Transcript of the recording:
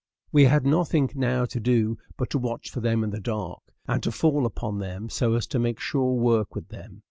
We had nothing now to do but to watch for them in the dark, and to fall upon them, so as to make sure work with them.